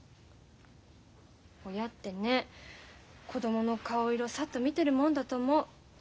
親ってね子供の顔色さっと見てるもんだと思う。